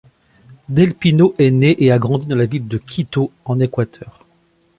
Del Pino est née et a grandi dans la ville de Quito, en Équateur.